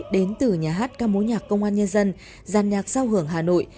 đến từ nhà hát ca mối nhạc công an nhân dân giàn nhạc sao hưởng hà nội